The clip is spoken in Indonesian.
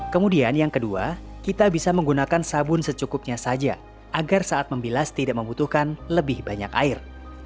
kemudian yang kedua kita bisa menggunakan sabun secukupnya saja agar saat membilas tidak membutuhkan lebih banyak air